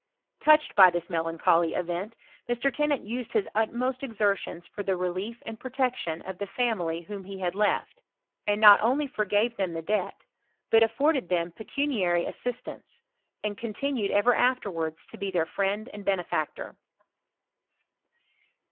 Touched by this melancholy event, Mr. Tennant used his ttt most exertions for the relief and protection of tlie femily whom he had lefi, and not only forgave then the debt, but afforded them pecnaiary a^ietance, and continued ever afterwards to be their friotd and benefactor.